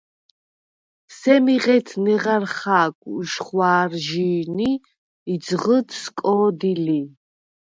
სემი ღეთ ნეღარ ხა̄გ უშხვა̄რჟი̄ნი ი ძღჷდ სკო̄დი ლი.